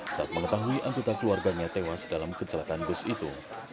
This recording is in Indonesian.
saat mengetahui anggota keluarganya tewas dalam kecelakaan bus itu